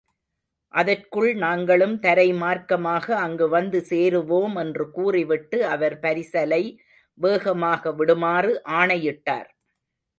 அதற்குள் நாங்களும் தரை மார்க்கமாக அங்கு வந்து சேருவோம் என்று கூறிவிட்டு அவர் பரிசலை வேகமாக விடுமாறு ஆணையிட்டார்.